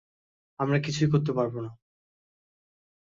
আমরা কিছুই করতে পারবো না।